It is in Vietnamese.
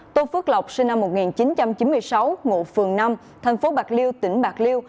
tôn phước lộc sinh năm một nghìn chín trăm chín mươi sáu ngụ phường năm thành phố bạc liêu tỉnh bạc liêu